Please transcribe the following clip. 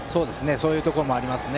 そういうところもありますね。